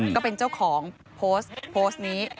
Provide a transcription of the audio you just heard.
ก็เป็นเจ้าของโพสต์นี้